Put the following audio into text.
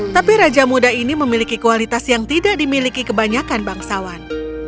tapi raja muda ini memiliki kualitas yang tidak dimiliki kebanyakan bangsawan